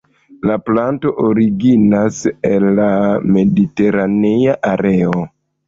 La planto originas el la mediteranea areo.